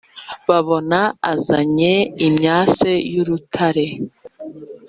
babona azanye imyase y' urutare.